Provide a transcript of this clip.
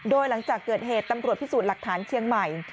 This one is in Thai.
โดยหลังจากเกิดเหตุตำรวจพิสูจน์หลักฐานเชียงใหม่